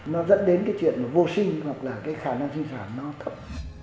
nó dẫn đến cái chuyện vô sinh hoặc là cái khả năng sinh sản nó thấp